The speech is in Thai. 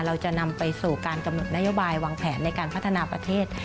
เราจะนำไปสู่การกำหนดนโยบายวางแผนในการพัฒนาประเทศ